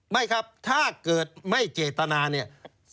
ไม่ครับถ้าเกิดไม่เจตนาเนี่ย